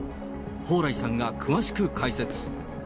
蓬莱さんが詳しく解説。